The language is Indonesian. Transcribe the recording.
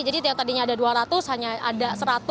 jadi yang tadinya ada dua ratus hanya ada seratus